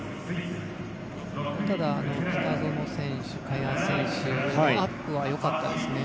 ただ、北園選手、萱選手のアップはよかったですね。